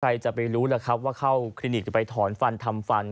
ใครจะไปรู้ล่ะครับว่าเข้าคลินิกไปถอนฟันทำฟัน